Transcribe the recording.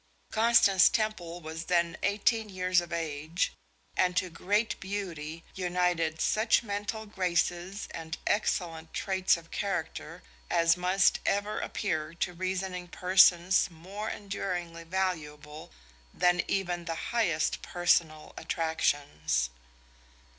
Constance Temple was then eighteen years of age, and to great beauty united such mental graces and excellent traits of character as must ever appear to reasoning persons more enduringly valuable than even the highest personal attractions.